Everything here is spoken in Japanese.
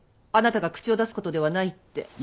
あなたが口を出すことではないって。